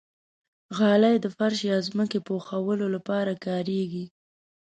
غالۍ د فرش یا ځمکې پوښلو لپاره کارېږي.